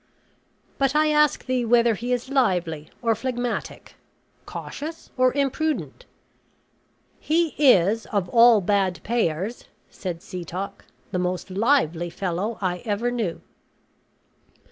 "But I ask thee whether he is lively or phlegmatic, cautious or imprudent?" "He is, of all bad payers," said Setoc, "the most lively fellow I ever knew."